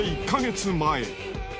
１か月前。